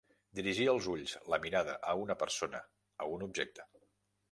Dirigir els ulls, la mirada, a una persona, a un objecte.